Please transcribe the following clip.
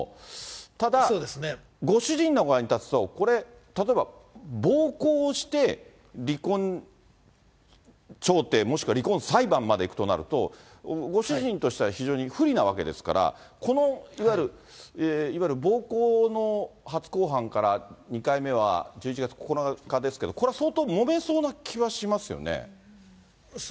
ただ、ご主人の側に立つと、これ例えば、暴行して離婚調停、もしくは離婚裁判までいくとなると、ご主人としては非常に不利なわけですから、このいわゆる、暴行の初公判から２回目は１１月９日ですけど、これは相当、そうですね。